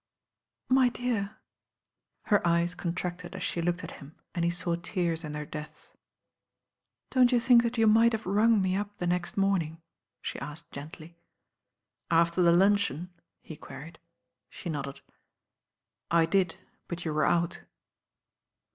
"My dearl" Her eyes contracted as she looked at him, and he saw tears in their depths. "Don't you think that you might have rung me up the r ext morning?" she asked gently. "After the luncheon?" he queried. She nodded. "I did; but you were out."